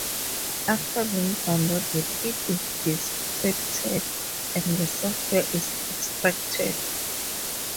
After being downloaded, it is decrypted and the software is extracted.